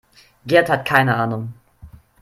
Gerd hat keine Ahnung.